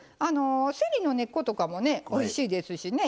せりの根っことかもねおいしいですしね。